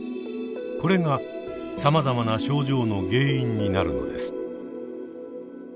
これがさまざまな症状の原因になるのです。